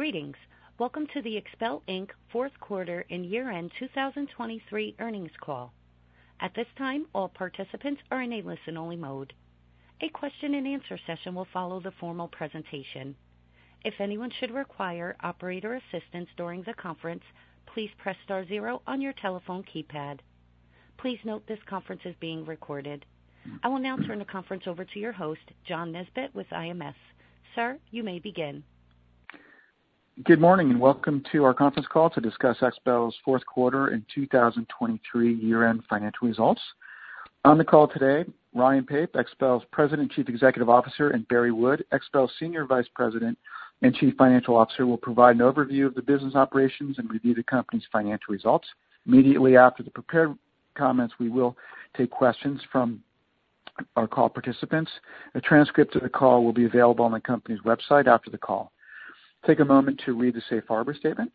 Greetings. Welcome to the XPEL Inc Fourth Quarter and Year End 2023 Earnings Call. At this time, all participants are in a listen-only mode. A question-and-answer session will follow the formal presentation. If anyone should require operator assistance during the conference, please press star zero on your telephone keypad. Please note this conference is being recorded. I will now turn the conference over to your host, John Nesbett, with IMS. Sir, you may begin. Good morning and welcome to our conference call to discuss XPEL's fourth quarter and 2023 year-end financial results. On the call today, Ryan Pape, XPEL's President and Chief Executive Officer, and Barry Wood, XPEL's Senior Vice President and Chief Financial Officer, will provide an overview of the business operations and review the company's financial results. Immediately after the prepared comments, we will take questions from our call participants. A transcript of the call will be available on the company's website after the call. Take a moment to read the Safe Harbor statement.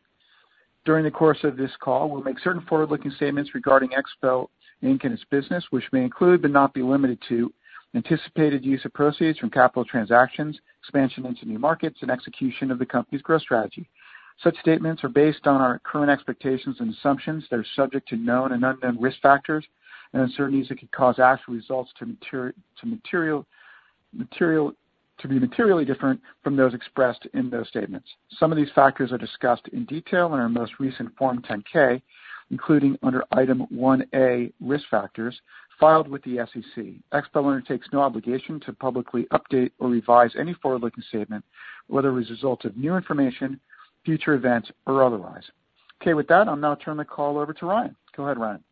During the course of this call, we'll make certain forward-looking statements regarding XPEL Inc and its business, which may include but not be limited to anticipated use of proceeds from capital transactions, expansion into new markets, and execution of the company's growth strategy. Such statements are based on our current expectations and assumptions. They're subject to known and unknown risk factors and uncertainties that could cause actual results to be materially different from those expressed in those statements. Some of these factors are discussed in detail in our most recent Form 10-K, including under Item 1A, Risk Factors, filed with the SEC. XPEL undertakes no obligation to publicly update or revise any forward-looking statement, whether as a result of new information, future events, or otherwise. Okay, with that, I'll now turn the call over to Ryan. Go ahead, Ryan.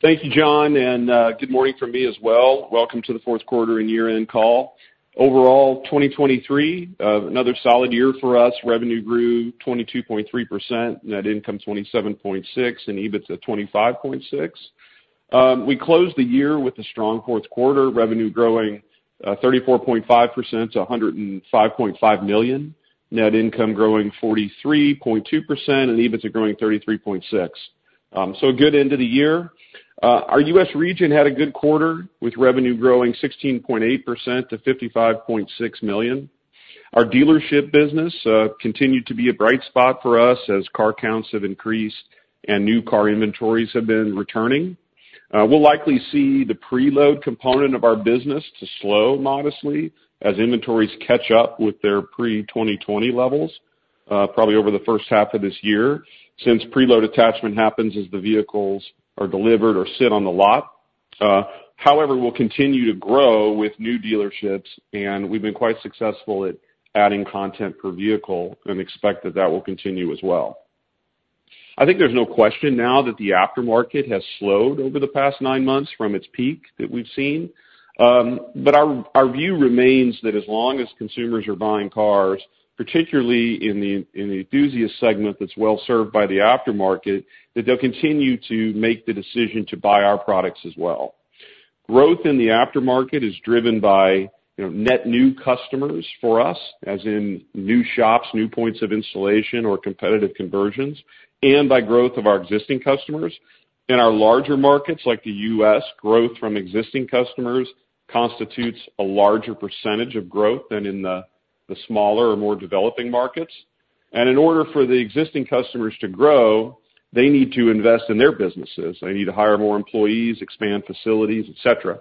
Thank you, John, and good morning from me as well. Welcome to the fourth quarter and year-end call. Overall, 2023, another solid year for us. Revenue grew 22.3%, net income 27.6%, and EBITDA 25.6%. We closed the year with a strong fourth quarter, revenue growing 34.5% to $105.5 million, net income growing 43.2%, and EBITDA growing 33.6%. So a good end of the year. Our U.S. region had a good quarter, with revenue growing 16.8% to $55.6 million. Our dealership business continued to be a bright spot for us as car counts have increased and new car inventories have been returning. We'll likely see the preload component of our business to slow modestly as inventories catch up with their pre-2020 levels, probably over the first half of this year, since preload attachment happens as the vehicles are delivered or sit on the lot. However, we'll continue to grow with new dealerships, and we've been quite successful at adding content per vehicle and expect that that will continue as well. I think there's no question now that the aftermarket has slowed over the past nine months from its peak that we've seen. But our view remains that as long as consumers are buying cars, particularly in the enthusiast segment that's well served by the aftermarket, that they'll continue to make the decision to buy our products as well. Growth in the aftermarket is driven by net new customers for us, as in new shops, new points of installation, or competitive conversions, and by growth of our existing customers. In our larger markets like the U.S., growth from existing customers constitutes a larger percentage of growth than in the smaller or more developing markets. In order for the existing customers to grow, they need to invest in their businesses. They need to hire more employees, expand facilities, etc.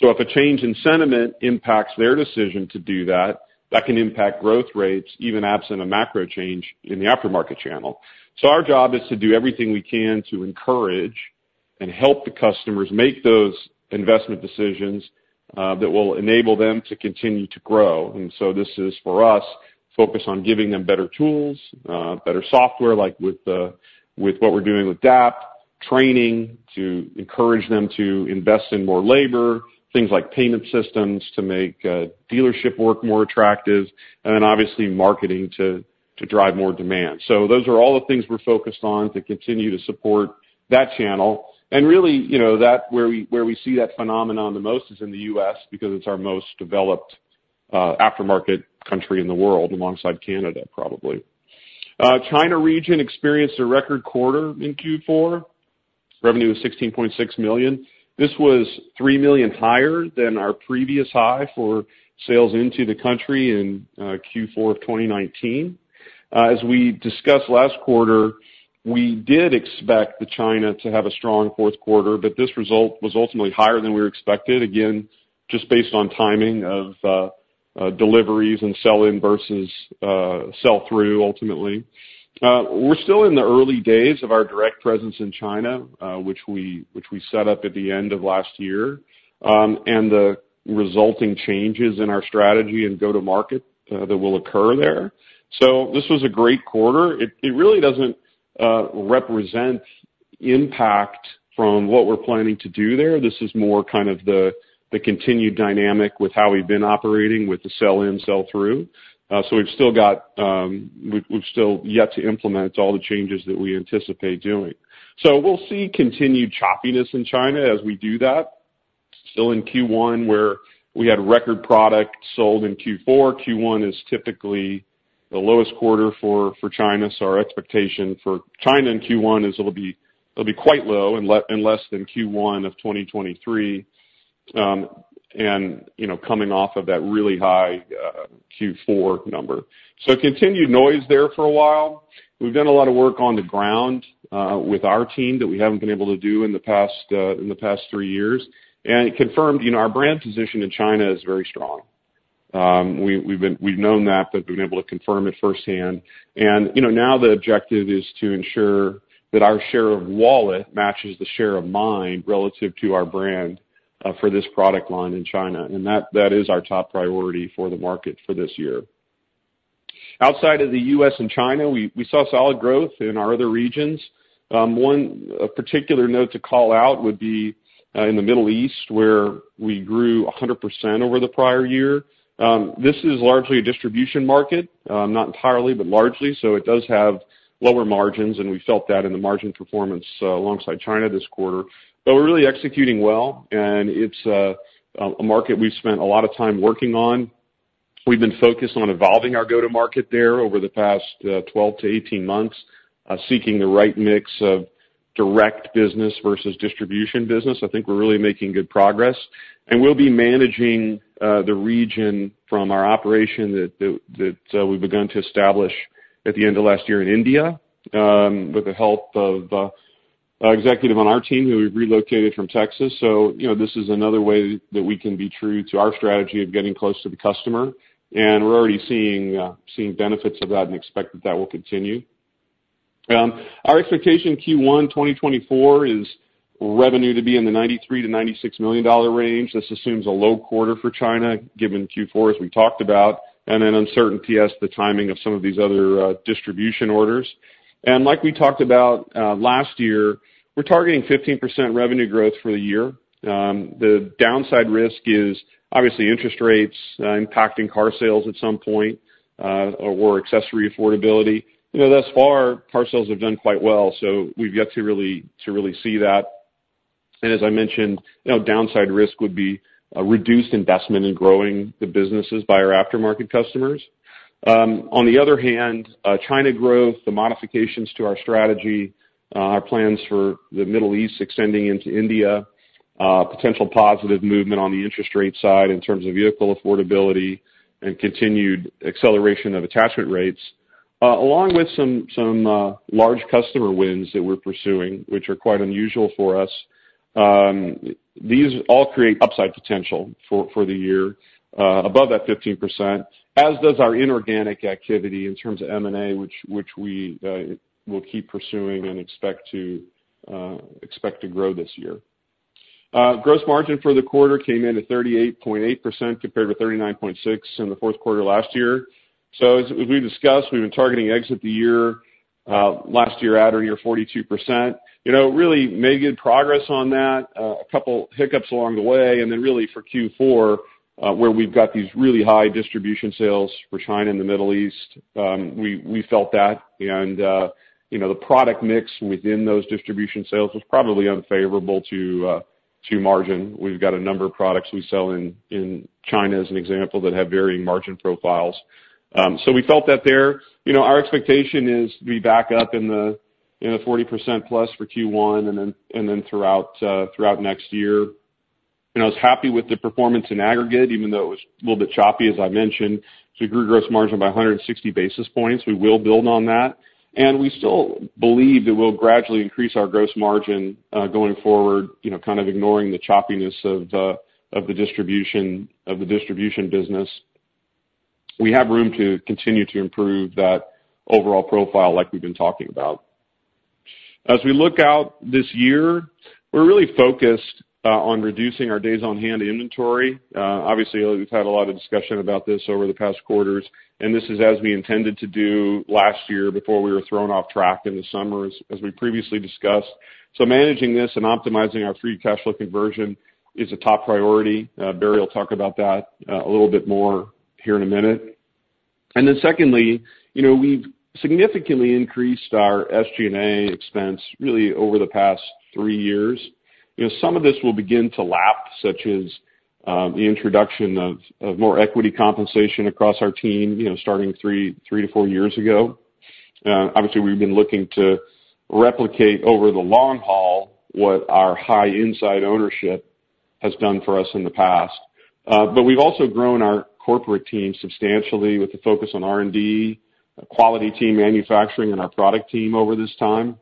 If a change in sentiment impacts their decision to do that, that can impact growth rates, even absent a macro change in the aftermarket channel. Our job is to do everything we can to encourage and help the customers make those investment decisions that will enable them to continue to grow. This is, for us, focused on giving them better tools, better software, like with what we're doing with DAP, training to encourage them to invest in more labor, things like payment systems to make dealership work more attractive, and then obviously marketing to drive more demand. Those are all the things we're focused on to continue to support that channel. And really, where we see that phenomenon the most is in the U.S. because it's our most developed aftermarket country in the world, alongside Canada, probably. China region experienced a record quarter in Q4. Revenue was $16.6 million. This was $3 million higher than our previous high for sales into the country in Q4 of 2019. As we discussed last quarter, we did expect China to have a strong fourth quarter, but this result was ultimately higher than we expected, again, just based on timing of deliveries and sell-in versus sell-through, ultimately. We're still in the early days of our direct presence in China, which we set up at the end of last year, and the resulting changes in our strategy and go-to-market that will occur there. So this was a great quarter. It really doesn't represent impact from what we're planning to do there. This is more kind of the continued dynamic with how we've been operating with the sell-in, sell-through. So we've still yet to implement all the changes that we anticipate doing. So we'll see continued choppiness in China as we do that. Still in Q1, where we had record product sold in Q4, Q1 is typically the lowest quarter for China. So our expectation for China in Q1 is it'll be quite low and less than Q1 of 2023 and coming off of that really high Q4 number. So continued noise there for a while. We've done a lot of work on the ground with our team that we haven't been able to do in the past three years. It confirmed our brand position in China is very strong. We've known that, but we've been able to confirm it firsthand. Now the objective is to ensure that our share of wallet matches the share of mind relative to our brand for this product line in China. That is our top priority for the market for this year. Outside of the U.S. and China, we saw solid growth in our other regions. One particular note to call out would be in the Middle East, where we grew 100% over the prior year. This is largely a distribution market, not entirely, but largely. So it does have lower margins, and we felt that in the margin performance alongside China this quarter. But we're really executing well, and it's a market we've spent a lot of time working on. We've been focused on evolving our go-to-market there over the past 12-18 months, seeking the right mix of direct business versus distribution business. I think we're really making good progress. We'll be managing the region from our operation that we begun to establish at the end of last year in India with the help of an executive on our team who we've relocated from Texas. This is another way that we can be true to our strategy of getting close to the customer. We're already seeing benefits of that and expect that that will continue. Our expectation Q1 2024 is revenue to be in the $93 million to $96 million range. This assumes a low quarter for China, given Q4, as we talked about, and then uncertainty as to the timing of some of these other distribution orders. Like we talked about last year, we're targeting 15% revenue growth for the year. The downside risk is obviously interest rates impacting car sales at some point or accessory affordability. Thus far, car sales have done quite well, so we've yet to really see that. As I mentioned, downside risk would be reduced investment in growing the businesses by our aftermarket customers. On the other hand, China growth, the modifications to our strategy, our plans for the Middle East extending into India, potential positive movement on the interest rate side in terms of vehicle affordability, and continued acceleration of attachment rates, along with some large customer wins that we're pursuing, which are quite unusual for us, these all create upside potential for the year above that 15%, as does our inorganic activity in terms of M&A, which we will keep pursuing and expect to grow this year. Gross margin for the quarter came in at 38.8% compared with 39.6% in the fourth quarter last year. As we've discussed, we've been targeting exit the year last year at or near 42%. Really made good progress on that, a couple hiccups along the way, and then really for Q4, where we've got these really high distribution sales for China and the Middle East, we felt that. The product mix within those distribution sales was probably unfavorable to margin. We've got a number of products we sell in China as an example that have varying margin profiles. So we felt that there. Our expectation is to be back up in the 40%+ for Q1 and then throughout next year. I was happy with the performance in aggregate, even though it was a little bit choppy, as I mentioned. We grew gross margin by 160 basis points. We will build on that. We still believe that we'll gradually increase our gross margin going forward, kind of ignoring the choppiness of the distribution business. We have room to continue to improve that overall profile like we've been talking about. As we look out this year, we're really focused on reducing our days on hand inventory. Obviously, we've had a lot of discussion about this over the past quarters, and this is as we intended to do last year before we were thrown off track in the summer, as we previously discussed. Managing this and optimizing our free cash flow conversion is a top priority. Barry will talk about that a little bit more here in a minute. Then secondly, we've significantly increased our SG&A expense really over the past three years. Some of this will begin to lap, such as the introduction of more equity compensation across our team starting three to four years ago. Obviously, we've been looking to replicate over the long haul what our high insider ownership has done for us in the past. But we've also grown our corporate team substantially with a focus on R&D, quality team manufacturing, and our product team over this time.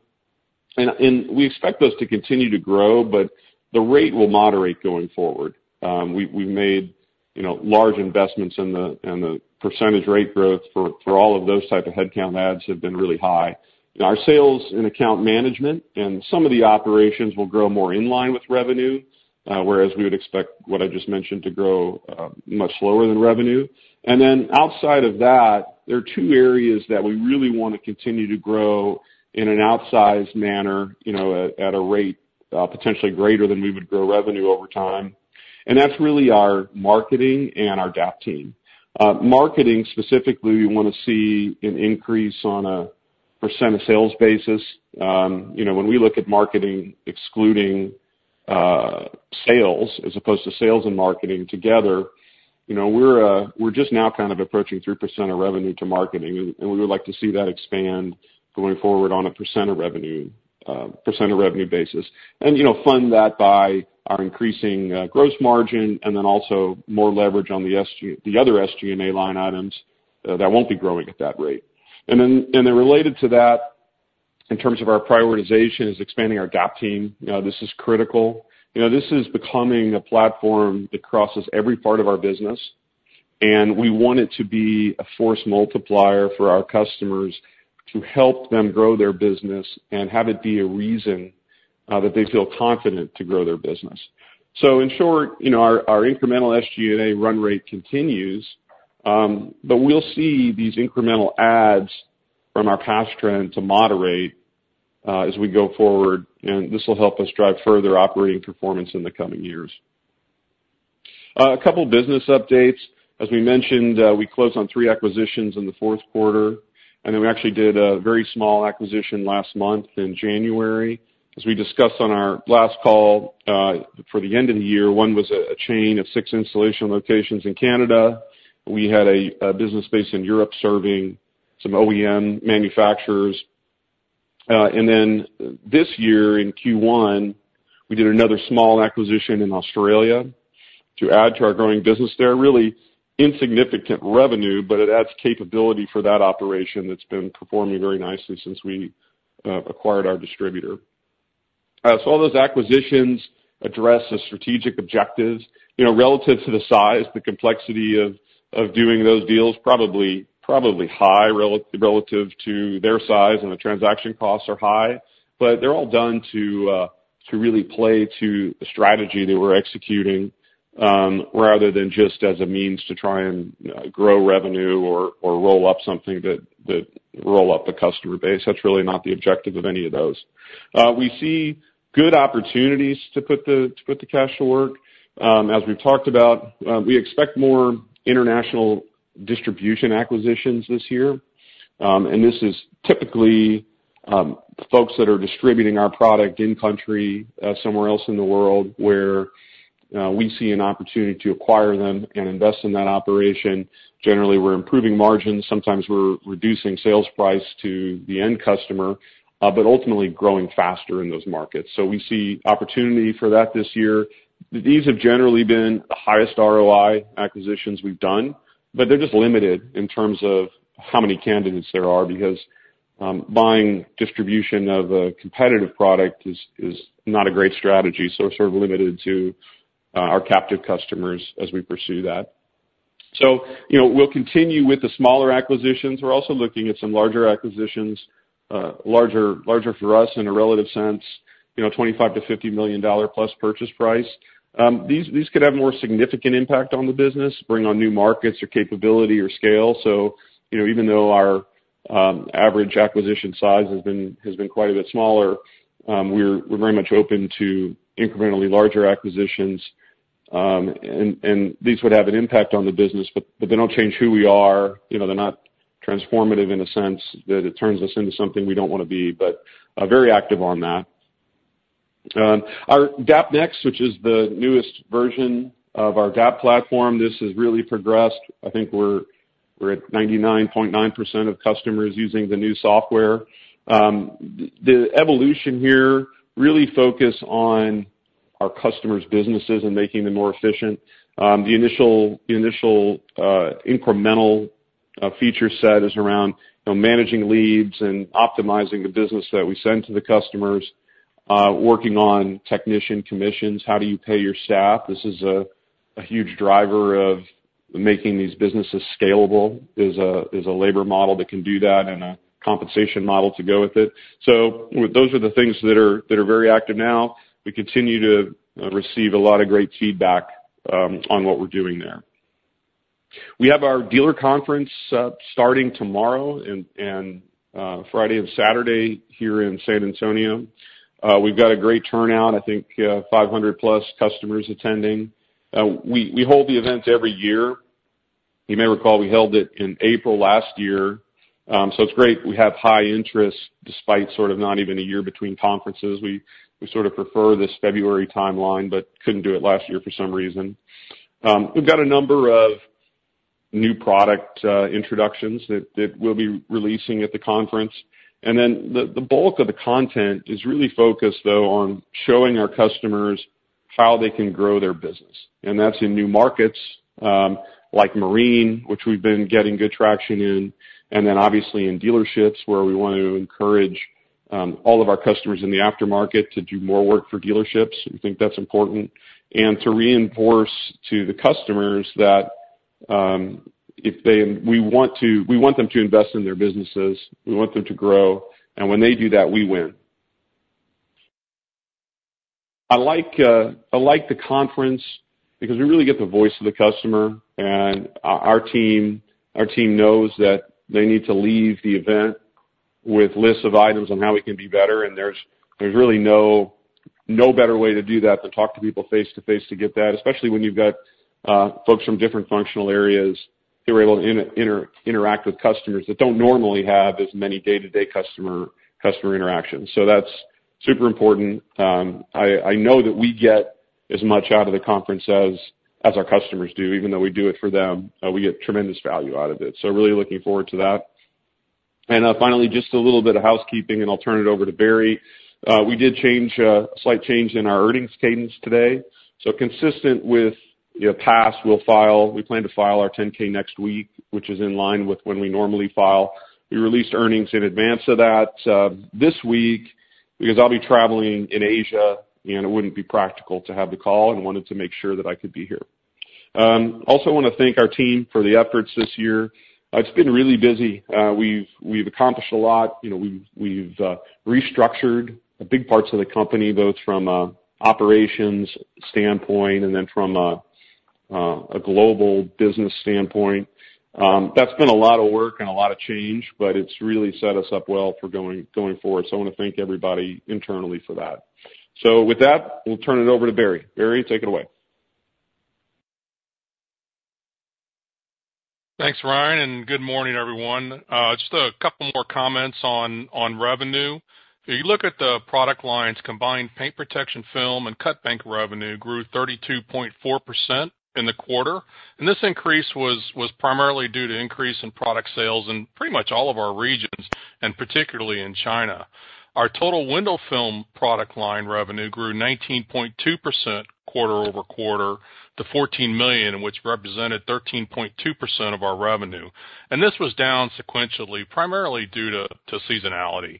And we expect those to continue to grow, but the rate will moderate going forward. We've made large investments, and the percentage rate growth for all of those type of headcount adds have been really high. Our sales and account management and some of the operations will grow more in line with revenue, whereas we would expect what I just mentioned to grow much slower than revenue. And then outside of that, there are two areas that we really want to continue to grow in an outsized manner at a rate potentially greater than we would grow revenue over time. And that's really our marketing and our DAP team. Marketing, specifically, we want to see an increase on a percentage of sales basis. When we look at marketing excluding sales as opposed to sales and marketing together, we're just now kind of approaching 3% of revenue to marketing. And we would like to see that expand going forward on a percent of revenue basis and fund that by our increasing gross margin and then also more leverage on the other SG&A line items that won't be growing at that rate. And then related to that, in terms of our prioritization is expanding our DAP team. This is critical. This is becoming a platform that crosses every part of our business, and we want it to be a force multiplier for our customers to help them grow their business and have it be a reason that they feel confident to grow their business. So in short, our incremental SG&A run rate continues, but we'll see these incremental ads from our past trend to moderate as we go forward. And this will help us drive further operating performance in the coming years. A couple business updates. As we mentioned, we closed on three acquisitions in the fourth quarter. And then we actually did a very small acquisition last month in January. As we discussed on our last call for the end of the year, one was a chain of 6 installation locations in Canada. We had a business based in Europe serving some OEM manufacturers. Then this year in Q1, we did another small acquisition in Australia to add to our growing business there, really insignificant revenue, but it adds capability for that operation that's been performing very nicely since we acquired our distributor. All those acquisitions address a strategic objective. Relative to the size, the complexity of doing those deals is probably high relative to their size, and the transaction costs are high. They're all done to really play to the strategy that we're executing rather than just as a means to try and grow revenue or roll up something that roll up the customer base. That's really not the objective of any of those. We see good opportunities to put the cash to work. As we've talked about, we expect more international distribution acquisitions this year. This is typically folks that are distributing our product in-country somewhere else in the world where we see an opportunity to acquire them and invest in that operation. Generally, we're improving margins. Sometimes we're reducing sales price to the end customer, but ultimately growing faster in those markets. So we see opportunity for that this year. These have generally been the highest ROI acquisitions we've done, but they're just limited in terms of how many candidates there are because buying distribution of a competitive product is not a great strategy. So we're sort of limited to our captive customers as we pursue that. So we'll continue with the smaller acquisitions. We're also looking at some larger acquisitions, larger for us in a relative sense, $25 million to $50 million plus purchase price. These could have more significant impact on the business, bring on new markets or capability or scale. So even though our average acquisition size has been quite a bit smaller, we're very much open to incrementally larger acquisitions. And these would have an impact on the business, but they don't change who we are. They're not transformative in a sense that it turns us into something we don't want to be, but very active on that. Our DAP Next, which is the newest version of our DAP platform, this has really progressed. I think we're at 99.9% of customers using the new software. The evolution here really focused on our customers' businesses and making them more efficient. The initial incremental feature set is around managing leads and optimizing the business that we send to the customers, working on technician commissions, how do you pay your staff. This is a huge driver of making these businesses scalable: a labor model that can do that and a compensation model to go with it. So those are the things that are very active now. We continue to receive a lot of great feedback on what we're doing there. We have our dealer conference starting tomorrow and Friday and Saturday here in San Antonio. We've got a great turnout, I think 500+ customers attending. We hold the events every year. You may recall we held it in April last year. So it's great. We have high interest despite sort of not even a year between conferences. We sort of prefer this February timeline but couldn't do it last year for some reason. We've got a number of new product introductions that we'll be releasing at the conference. And then the bulk of the content is really focused, though, on showing our customers how they can grow their business. And that's in new markets like marine, which we've been getting good traction in, and then obviously in dealerships where we want to encourage all of our customers in the aftermarket to do more work for dealerships. We think that's important. And to reinforce to the customers that we want them to invest in their businesses. We want them to grow. And when they do that, we win. I like the conference because we really get the voice of the customer. And our team knows that they need to leave the event with lists of items on how we can be better. There's really no better way to do that than talk to people face-to-face to get that, especially when you've got folks from different functional areas who are able to interact with customers that don't normally have as many day-to-day customer interactions. So that's super important. I know that we get as much out of the conference as our customers do, even though we do it for them. We get tremendous value out of it. So really looking forward to that. And finally, just a little bit of housekeeping, and I'll turn it over to Barry. We did a slight change in our earnings cadence today. So consistent with past, we'll file. We plan to file our 10-K next week, which is in line with when we normally file. We released earnings in advance of that this week because I'll be traveling in Asia, and it wouldn't be practical to have the call, and wanted to make sure that I could be here. Also, I want to thank our team for the efforts this year. It's been really busy. We've accomplished a lot. We've restructured big parts of the company, both from an operations standpoint and then from a global business standpoint. That's been a lot of work and a lot of change, but it's really set us up well for going forward. So I want to thank everybody internally for that. So with that, we'll turn it over to Barry. Barry, take it away. Thanks, Ryan, and good morning, everyone. Just a couple more comments on revenue. If you look at the product lines, combined Paint Protection Film and cutbank revenue grew 32.4% in the quarter. This increase was primarily due to increase in product sales in pretty much all of our regions, and particularly in China. Our total window film product line revenue grew 19.2% quarter-over-quarter to $14 million, which represented 13.2% of our revenue. This was down sequentially, primarily due to seasonality.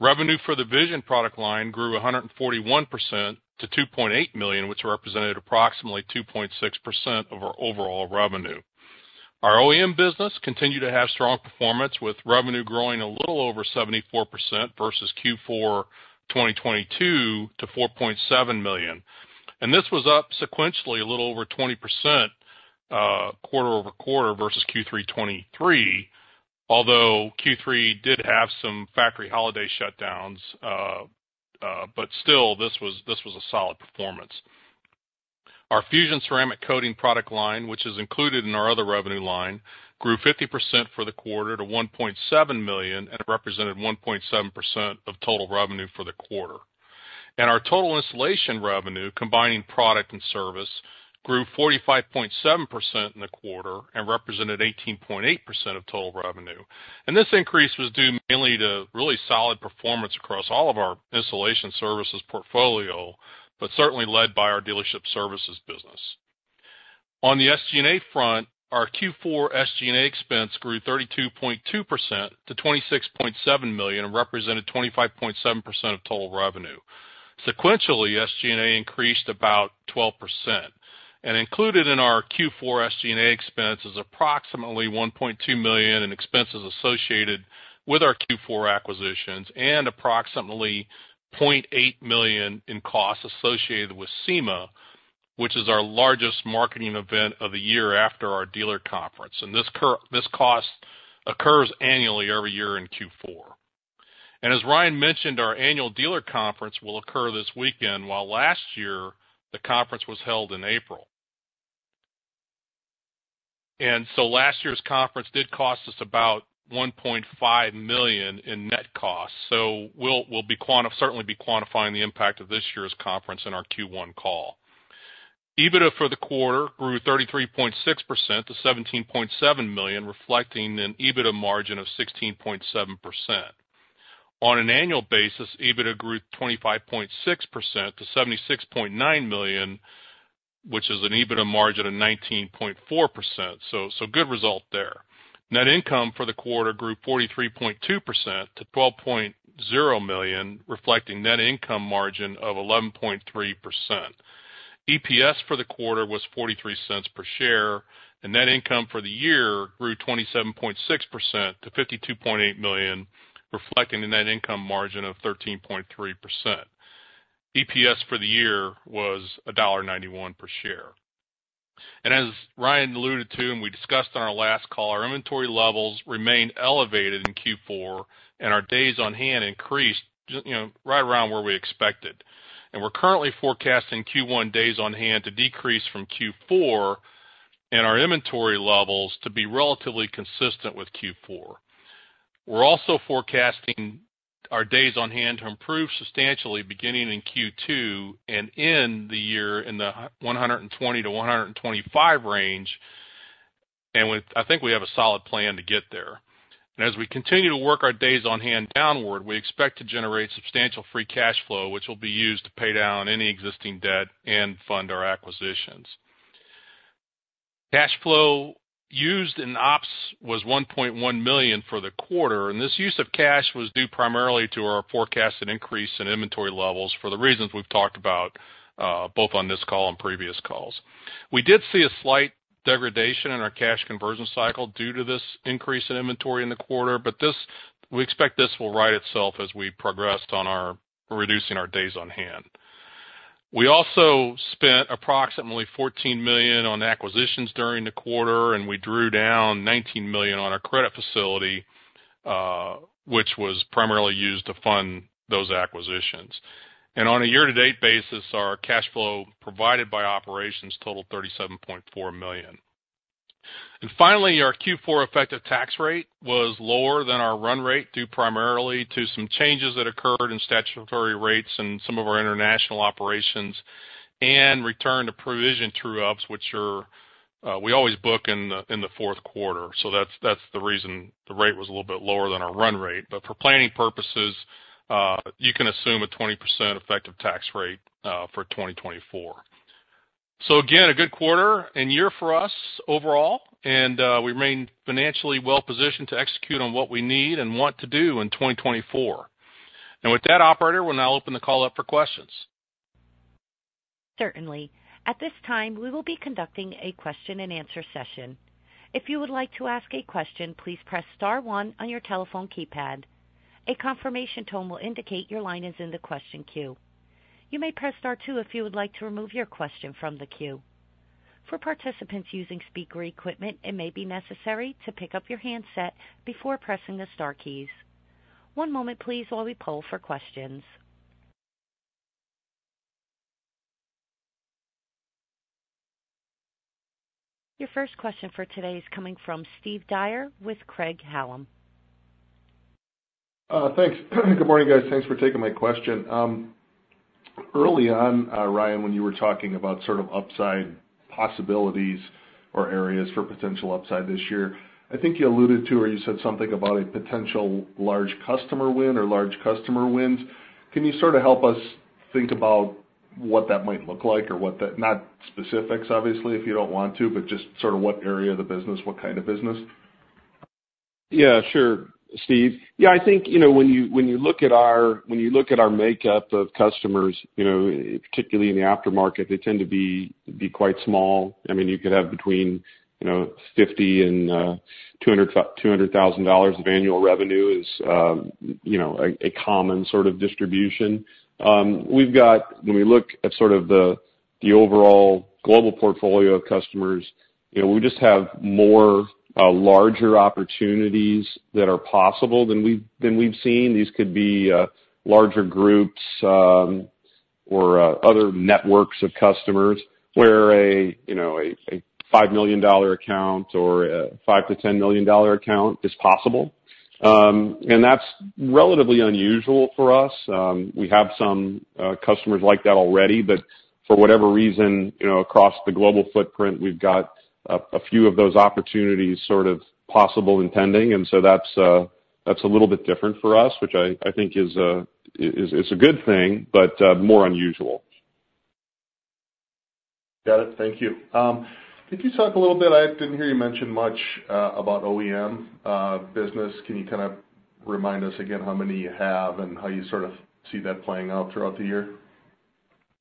Revenue for the VISION product line grew 141% to $2.8 million, which represented approximately 2.6% of our overall revenue. Our OEM business continued to have strong performance with revenue growing a little over 74% versus Q4 2022 to $4.7 million. This was up sequentially a little over 20% quarter-over-quarter versus Q3 2023, although Q3 did have some factory holiday shutdowns. Still, this was a solid performance. Our FUSION ceramic coating product line, which is included in our other revenue line, grew 50% for the quarter to $1.7 million, and it represented 1.7% of total revenue for the quarter. Our total installation revenue, combining product and service, grew 45.7% in the quarter and represented 18.8% of total revenue. This increase was due mainly to really solid performance across all of our installation services portfolio, but certainly led by our dealership services business. On the SG&A front, our Q4 SG&A expense grew 32.2% to $26.7 million and represented 25.7% of total revenue. Sequentially, SG&A increased about 12% and included in our Q4 SG&A expenses approximately $1.2 million in expenses associated with our Q4 acquisitions and approximately $0.8 million in costs associated with SEMA, which is our largest marketing event of the year after our dealer conference. This cost occurs annually every year in Q4. As Ryan mentioned, our annual dealer conference will occur this weekend while last year the conference was held in April. So last year's conference did cost us about $1.5 million in net costs. We'll certainly be quantifying the impact of this year's conference in our Q1 call. EBITDA for the quarter grew 33.6% to $17.7 million, reflecting an EBITDA margin of 16.7%. On an annual basis, EBITDA grew 25.6% to $76.9 million, which is an EBITDA margin of 19.4%. Good result there. Net income for the quarter grew 43.2% to $12.0 million, reflecting net income margin of 11.3%. EPS for the quarter was $0.43 per share, and net income for the year grew 27.6% to $52.8 million, reflecting a net income margin of 13.3%. EPS for the year was $1.91 per share. As Ryan alluded to and we discussed on our last call, our inventory levels remained elevated in Q4, and our days on hand increased right around where we expected. We're currently forecasting Q1 days on hand to decrease from Q4 and our inventory levels to be relatively consistent with Q4. We're also forecasting our days on hand to improve substantially beginning in Q2 and in the year in the 120-125 range. I think we have a solid plan to get there. As we continue to work our days on hand downward, we expect to generate substantial free cash flow, which will be used to pay down any existing debt and fund our acquisitions. Cash flow used in ops was $1.1 million for the quarter. This use of cash was due primarily to our forecasted increase in inventory levels for the reasons we've talked about both on this call and previous calls. We did see a slight degradation in our cash conversion cycle due to this increase in inventory in the quarter, but we expect this will right itself as we progressed on reducing our days on hand. We also spent approximately $14 million on acquisitions during the quarter, and we drew down $19 million on our credit facility, which was primarily used to fund those acquisitions. On a year-to-date basis, our cash flow provided by operations totaled $37.4 million. Finally, our Q4 effective tax rate was lower than our run rate due primarily to some changes that occurred in statutory rates and some of our international operations and return to provision true-ups, which we always book in the fourth quarter. That's the reason the rate was a little bit lower than our run rate. For planning purposes, you can assume a 20% effective tax rate for 2024. Again, a good quarter and year for us overall, and we remain financially well positioned to execute on what we need and want to do in 2024. With that, operator, we'll now open the call up for questions. Certainly. At this time, we will be conducting a question-and-answer session. If you would like to ask a question, please press star one on your telephone keypad. A confirmation tone will indicate your line is in the question queue. You may press star two if you would like to remove your question from the queue. For participants using speaker equipment, it may be necessary to pick up your handset before pressing the star keys. One moment, please, while we pull for questions. Your first question for today is coming from Steve Dyer with Craig-Hallum. Thanks. Good morning, guys. Thanks for taking my question. Early on, Ryan, when you were talking about sort of upside possibilities or areas for potential upside this year, I think you alluded to or you said something about a potential large customer win or large customer wins. Can you sort of help us think about what that might look like or what that not specifics, obviously, if you don't want to, but just sort of what area of the business, what kind of business? Yes, sure, Steve. Yes, I think when you look at our makeup of customers, particularly in the aftermarket, they tend to be quite small. I mean, you could have between $50,000 and $200,000 of annual revenue is a common sort of distribution. When we look at sort of the overall global portfolio of customers, we just have more larger opportunities that are possible than we've seen. These could be larger groups or other networks of customers where a $5 million account or a $5 to $10 million account is possible. And that's relatively unusual for us. We have some customers like that already, but for whatever reason, across the global footprint, we've got a few of those opportunities sort of possible intending. And so that's a little bit different for us, which I think is a good thing, but more unusual. Got it. Thank you. Could you talk a little bit? I didn't hear you mention much about OEM business. Can you kind of remind us again how many you have and how you sort of see that playing out throughout the year?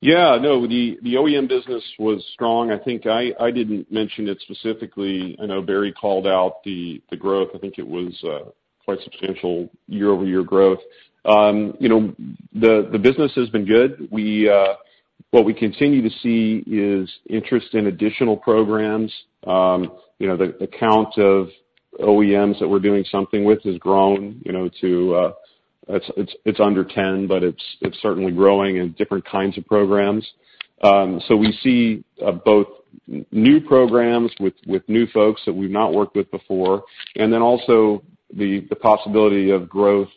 Yes. No, the OEM business was strong. I think I didn't mention it specifically. I know Barry called out the growth. I think it was quite substantial year-over-year growth. The business has been good. What we continue to see is interest in additional programs. The count of OEMs that we're doing something with has grown to, it's under 10, but it's certainly growing in different kinds of programs. So we see both new programs with new folks that we've not worked with before, and then also the possibility of growth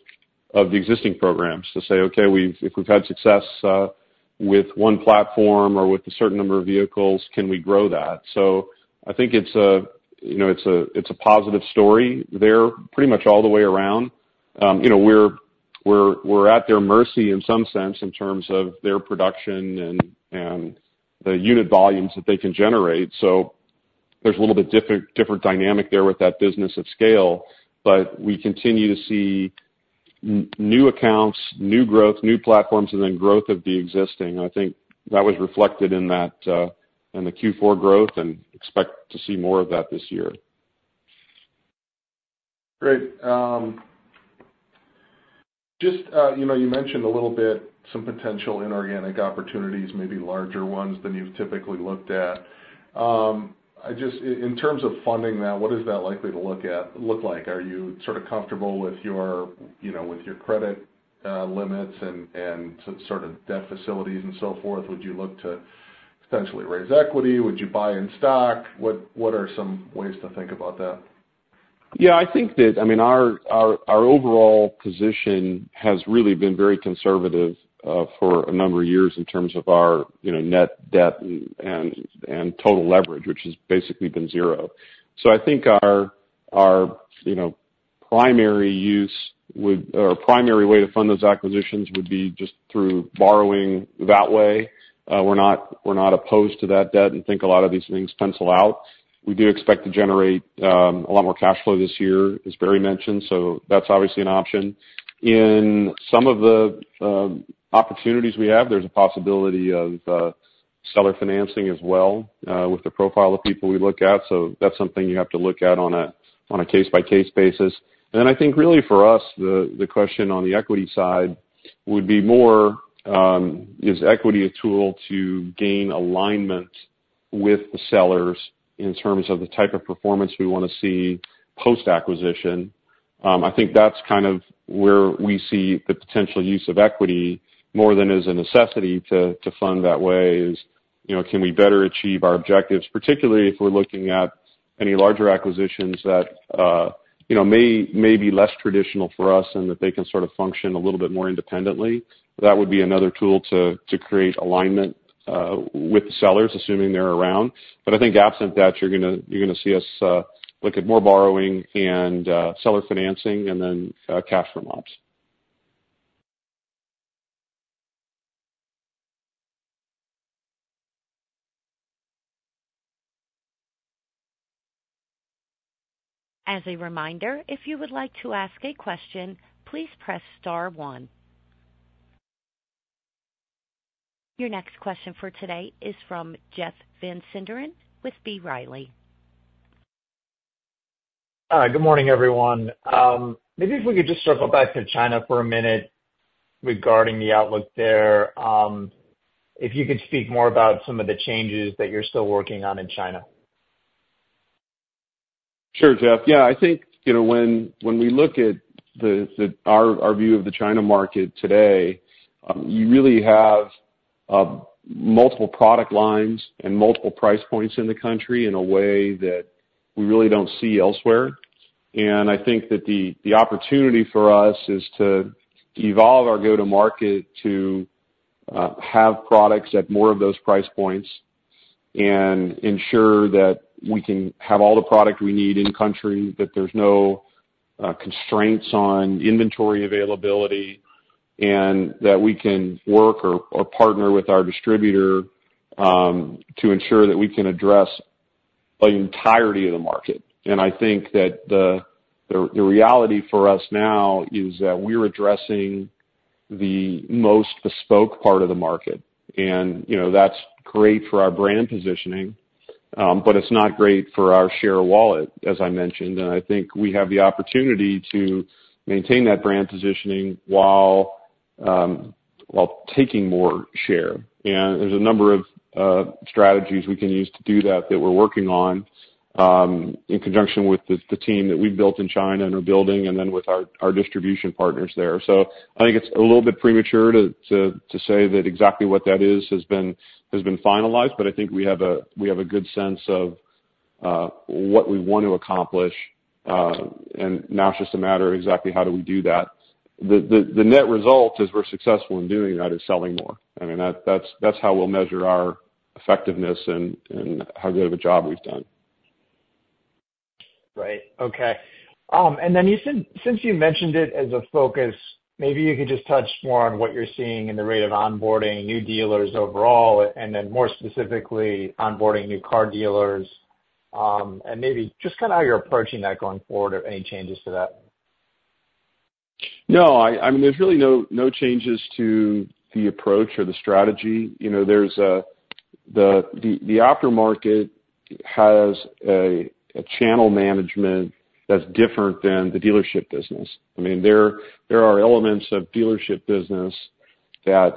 of the existing programs to say, "Okay, if we've had success with one platform or with a certain number of vehicles, can we grow that?" So I think it's a positive story there pretty much all the way around. We're at their mercy in some sense in terms of their production and the unit volumes that they can generate. There's a little bit different dynamic there with that business of scale, but we continue to see new accounts, new growth, new platforms, and then growth of the existing. I think that was reflected in the Q4 growth, and expect to see more of that this year. Great. Just you mentioned a little bit some potential inorganic opportunities, maybe larger ones than you've typically looked at. In terms of funding that, what is that likely to look like? Are you sort of comfortable with your credit limits and sort of debt facilities and so forth? Would you look to potentially raise equity? Would you buy in stock? What are some ways to think about that? Yes, I think that I mean, our overall position has really been very conservative for a number of years in terms of our net debt and total leverage, which has basically been zero. So I think our primary use or primary way to fund those acquisitions would be just through borrowing that way. We're not opposed to that debt and think a lot of these things pencil out. We do expect to generate a lot more cash flow this year, as Barry mentioned. So that's obviously an option. In some of the opportunities we have, there's a possibility of seller financing as well with the profile of people we look at. So that's something you have to look at on a case-by-case basis. I think really for us, the question on the equity side would be more is equity a tool to gain alignment with the sellers in terms of the type of performance we want to see post-acquisition? I think that's kind of where we see the potential use of equity more than as a necessity to fund that way is can we better achieve our objectives, particularly if we're looking at any larger acquisitions that may be less traditional for us and that they can sort of function a little bit more independently? That would be another tool to create alignment with the sellers, assuming they're around. But I think absent that, you're going to see us look at more borrowing and seller financing and then cash from ops. As a reminder, if you would like to ask a question, please press star one. Your next question for today is from Jeff Van Sinderen with B. Riley. Hi. Good morning, everyone. Maybe if we could just circle back to China for a minute regarding the outlook there. If you could speak more about some of the changes that you're still working on in China. Sure, Jeff. Yes, I think when we look at our view of the China market today, you really have multiple product lines and multiple price points in the country in a way that we really don't see elsewhere. I think that the opportunity for us is to evolve our go-to-market to have products at more of those price points and ensure that we can have all the product we need in-country, that there's no constraints on inventory availability, and that we can work or partner with our distributor to ensure that we can address the entirety of the market. I think that the reality for us now is that we're addressing the most bespoke part of the market. That's great for our brand positioning, but it's not great for our share wallet, as I mentioned. I think we have the opportunity to maintain that brand positioning while taking more share. There's a number of strategies we can use to do that that we're working on in conjunction with the team that we've built in China and are building and then with our distribution partners there. I think it's a little bit premature to say that exactly what that is has been finalized, but I think we have a good sense of what we want to accomplish. Now it's just a matter of exactly how do we do that? The net result is we're successful in doing that is selling more. I mean, that's how we'll measure our effectiveness and how good of a job we've done. Right. Okay. Since you mentioned it as a focus, maybe you could just touch more on what you're seeing in the rate of onboarding, new dealers overall, and then more specifically, onboarding new car dealers and maybe just kind of how you're approaching that going forward or any changes to that? No, I mean, there's really no changes to the approach or the strategy. The aftermarket has a channel management that's different than the dealership business. I mean, there are elements of dealership business that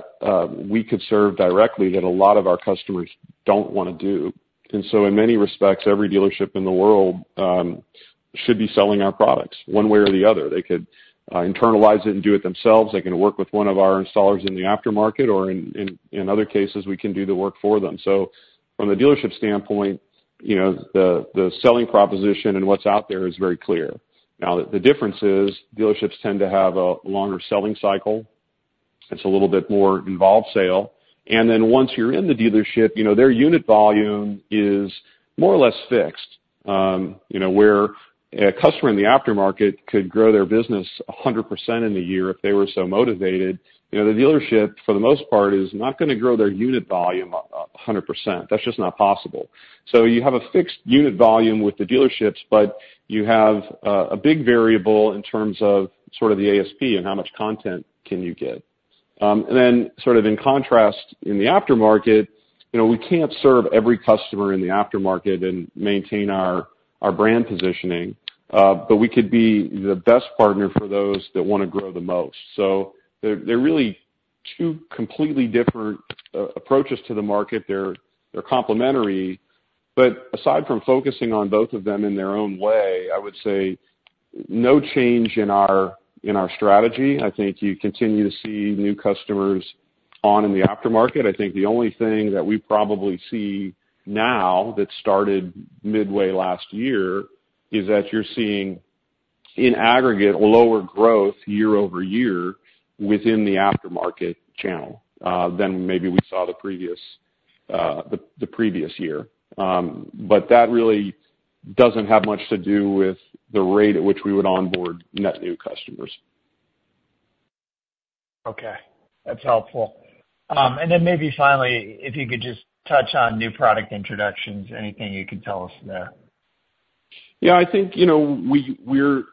we could serve directly that a lot of our customers don't want to do. And so in many respects, every dealership in the world should be selling our products one way or the other. They could internalize it and do it themselves. They can work with one of our installers in the aftermarket, or in other cases, we can do the work for them. So from the dealership standpoint, the selling proposition and what's out there is very clear. Now, the difference is dealerships tend to have a longer selling cycle. It's a little bit more involved sale. Then once you're in the dealership, their unit volume is more or less fixed, where a customer in the aftermarket could grow their business 100% in the year if they were so motivated. The dealership, for the most part, is not going to grow their unit volume 100%. That's just not possible. You have a fixed unit volume with the dealerships, but you have a big variable in terms of sort of the ASP and how much content can you get. Then sort of in contrast, in the aftermarket, we can't serve every customer in the aftermarket and maintain our brand positioning, but we could be the best partner for those that want to grow the most. They're really two completely different approaches to the market. They're complementary. But aside from focusing on both of them in their own way, I would say no change in our strategy. I think you continue to see new customers on in the aftermarket. I think the only thing that we probably see now that started midway last year is that you're seeing, in aggregate, lower growth year over year within the aftermarket channel than maybe we saw the previous year. But that really doesn't have much to do with the rate at which we would onboard net new customers. Okay. That's helpful. And then maybe finally, if you could just touch on new product introductions, anything you could tell us there? Yes, I think we're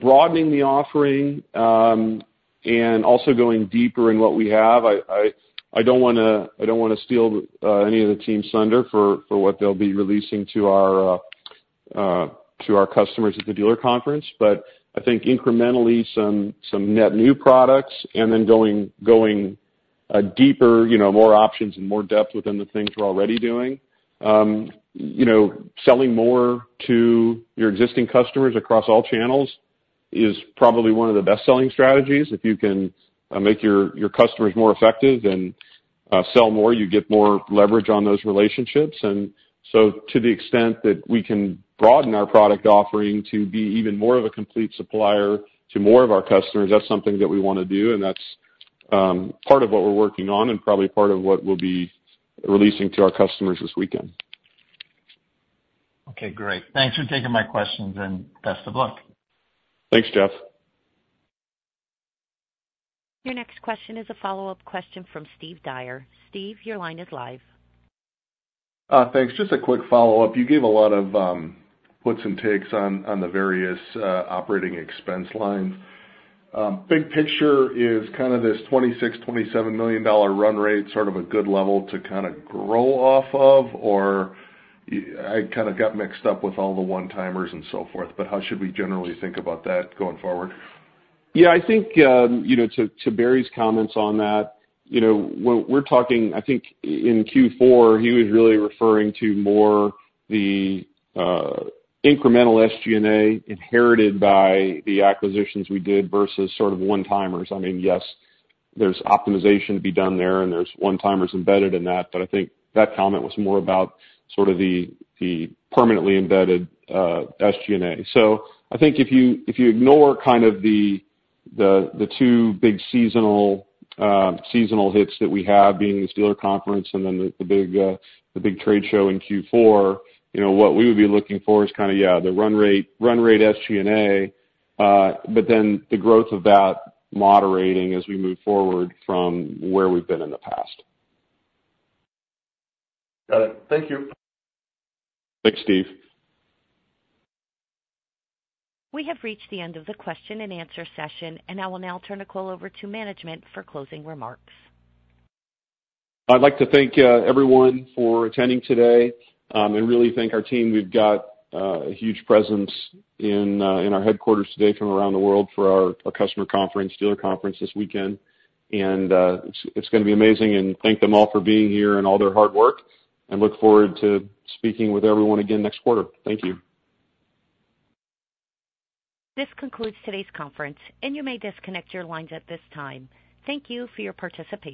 broadening the offering and also going deeper in what we have. I don't want to steal any of the team's thunder for what they'll be releasing to our customers at the dealer conference, but I think incrementally some net new products and then going deeper, more options and more depth within the things we're already doing. Selling more to your existing customers across all channels is probably one of the best-selling strategies. If you can make your customers more effective and sell more, you get more leverage on those relationships. And so to the extent that we can broaden our product offering to be even more of a complete supplier to more of our customers, that's something that we want to do. That's part of what we're working on and probably part of what we'll be releasing to our customers this weekend. Okay. Great. Thanks for taking my questions and best of luck. Thanks, Jeff. Your next question is a follow-up question from Steve Dyer. Steve, your line is live. Thanks. Just a quick follow-up. You gave a lot of puts and takes on the various operating expense lines. Big picture is kind of this $26 million to $27 million run rate sort of a good level to kind of grow off of, or I kind of got mixed up with all the one-timers and so forth. But how should we generally think about that going forward? Yes, I think to Barry's comments on that, we're talking, I think, in Q4, he was really referring to more the incremental SG&A inherited by the acquisitions we did versus sort of one-timers. I mean, yes, there's optimization to be done there, and there's one-timers embedded in that. But I think that comment was more about sort of the permanently embedded SG&A. So I think if you ignore kind of the two big seasonal hits that we have being this dealer conference and then the big trade show in Q4, what we would be looking for is kind of, yeah, the run rate SG&A, but then the growth of that moderating as we move forward from where we've been in the past. Got it. Thank you. Thanks, Steve. We have reached the end of the question and answer session, and I will now turn the call over to management for closing remarks. I'd like to thank everyone for attending today and really thank our team. We've got a huge presence in our headquarters today from around the world for our customer conference, dealer conference this weekend. It's going to be amazing. Thank them all for being here and all their hard work. Look forward to speaking with everyone again next quarter. Thank you. This concludes today's conference, and you may disconnect your lines at this time. Thank you for your participation.